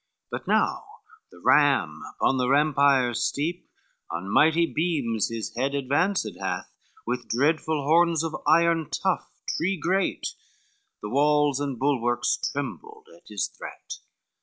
But now the ram upon the rampiers steep, On mighty beams his head advanced hath, With dreadful horns of iron tough tree great, The walls and bulwarks trembled at his threat.